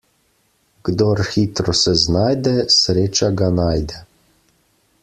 Kdor hitro se znajde, sreča ga najde.